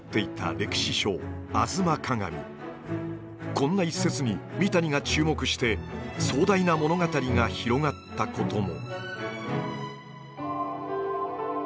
こんな一節に三谷が注目して壮大な物語が広がったことも。